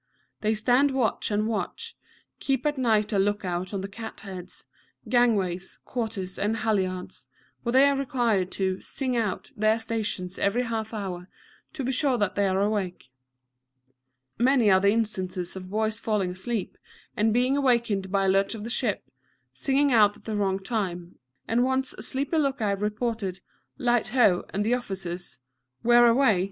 They stand watch and watch, keep at night a look out on the cat heads, gangways, quarters, and halliards, where they are required to "sing out" their stations every half hour, to be sure that they are awake. Many are the instances of boys falling asleep, and being awakened by a lurch of the ship, singing out at the wrong time, and once a sleepy look out reported "Light, ho!" and to the officer's "Where away?"